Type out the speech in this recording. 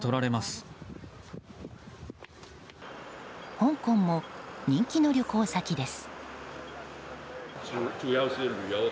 香港も人気の旅行先です。